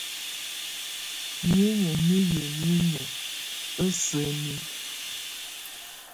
Niinyǝ́ nɛ yamɛ̀á inyǝ́ á sǝni.